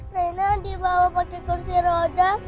reina dibawa pake kursi roda